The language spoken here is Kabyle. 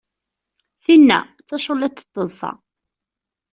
Tinna! d taculliḍt n teḍsa.